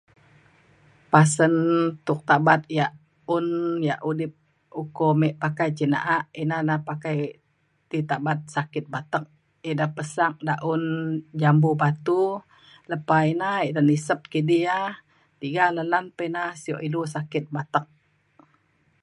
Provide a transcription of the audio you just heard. pasen tuk tabat yak un yak udip uko me pakai cin na’a ina na pakai ti tabat sakit batek. ida pesak daun jambu batu lepa ina ida nisep kidi ia’. tiga le lan pa ina sio ilu sakit batek.